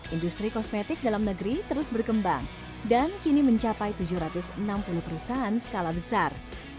industri kosmetik dalam negeri terus berkembang dan kini mencapai tujuh ratus enam puluh perusahaan skala besar